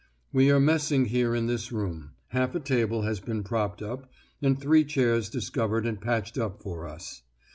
We are messing here in this room; half a table has been propped up, and three chairs discovered and patched up for us.